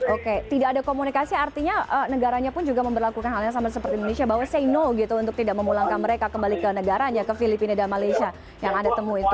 oke tidak ada komunikasi artinya negaranya pun juga memperlakukan hal yang sama seperti indonesia bahwa say no gitu untuk tidak memulangkan mereka kembali ke negaranya ke filipina dan malaysia yang anda temui itu